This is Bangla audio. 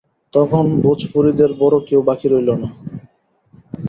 তখন ভোজপুরীদের বড়ো কেউ বাকি রইল না।